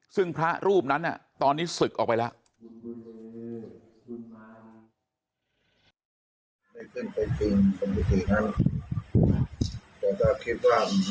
ซึ่งพระรูปนั้นตอนนี้ศึกออกไปแล้ว